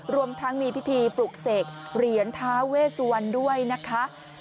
รวมทั้งมีพิธีปลุกเสกเหรียญท้าเวสวรรณด้วยนะคะ